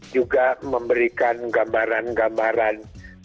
juga memberikan gambaran gambaran